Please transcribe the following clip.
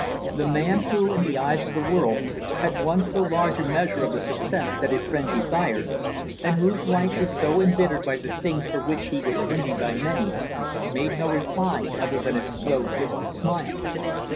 The man, who, in the eyes of the world, had won so large a measure of the success that his friend desired; and whose life was so embittered by the things for which he was envied by many; made no reply other than his slow, twisted smile.